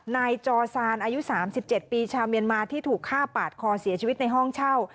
นายจอซานอายุ๓๗ปีชาวเมียนมาที่ถูกฆ่าปาดคอเสียชีวิตในห้องเช่า